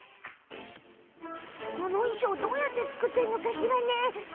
この衣装どうやって作っているのかしらね。